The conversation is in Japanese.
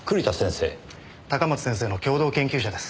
高松先生の共同研究者です。